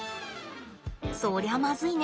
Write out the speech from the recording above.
そりゃまずいね。